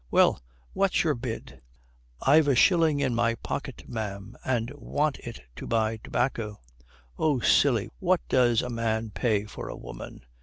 Well, what's your bid?" "I've a shilling in my pocket ma'am and want it to buy tobacco." "Oh, silly, what does a man pay for a woman?"